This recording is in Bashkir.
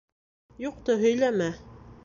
— Юҡты һөйләмә...